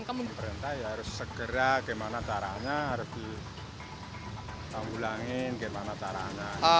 pemerintah ya harus segera gimana caranya harus ditanggulangin gimana caranya